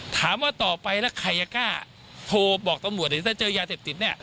ถามว่าต่อไปแล้วใครจะกล้าโทรบอกตำรวจเดี๋ยวถ้าเจอยาเสพติดเนี่ย